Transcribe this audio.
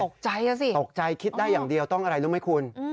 ตกใจอ่ะสิตกใจคิดได้อย่างเดียวต้องอะไรรู้ไหมคุณ